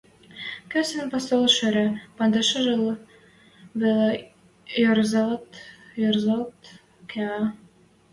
Кесӹн постол шӹре пандашыжы веле ӹрзӓлт-ӹрзӓлт кеӓ.